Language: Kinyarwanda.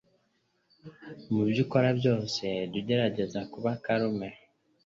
Mubyo ukora byose jya ugerageza kuba calme